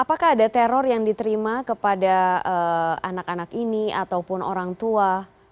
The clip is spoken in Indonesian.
apakah ada teror yang diterima kepada anak anak ini ataupun orang tua